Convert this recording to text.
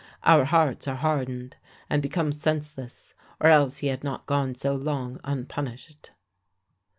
Our hearts are hardened, and become senseless, or else he had not gone so long unpunished.